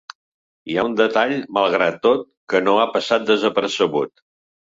Hi ha un detall, malgrat tot, que no ha passat desapercebut.